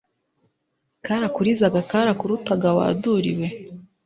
Karakurizaga karakurutaga wa duri we .